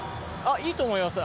いいと思います。